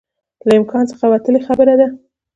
له امکان څخه وتلی خبره ده